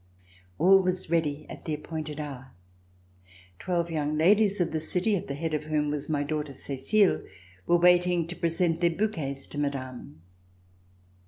All was ready at the appointed hour. Twelve young ladies of the city, at the head of whom was my daughter Ceclle, were waiting to present their bouquets to Madame.